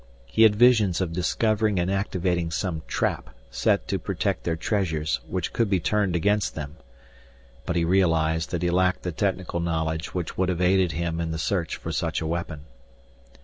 He had visions of discovering and activating some trap set to protect their treasures which could be turned against them. But he realized that he lacked the technical knowledge which would have aided him in the search for such a weapon.